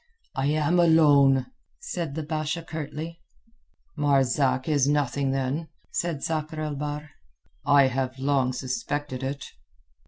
"I am alone," said the Basha curtly. "Marzak is nothing, then," said Sakr el Bahr. "I have long suspected it."